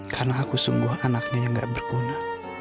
karena aku sungguh anaknya yang gak berguna